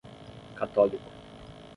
católico